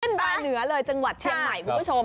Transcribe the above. บายเหนือเลยจังหวัดเชียงใหม่คุณผู้ชม